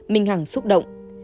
minh hằng xúc động